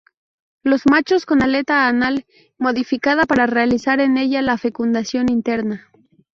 Los machos con aleta anal modificada para realizar con ella la fecundación interna.